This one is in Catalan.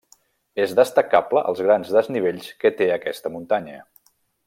És destacable els grans desnivells que té aquesta muntanya.